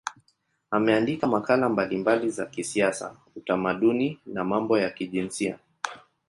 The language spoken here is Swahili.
Ameandika makala mbalimbali za kisiasa, utamaduni na mambo ya kijinsia.